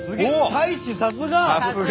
大使さすが！